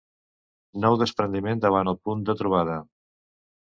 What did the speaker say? Nou despreniment davant el Punt de Trobada.